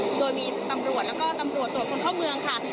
โดยมีตำรวจแล้วก็ตำรวจตรวจคนเข้าเมืองค่ะ